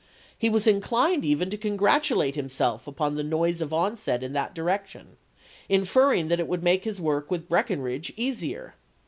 He was inclined even to congratulate himself upon the noise of onset in that direction, inferring that it would make his work with Breckinridge easier.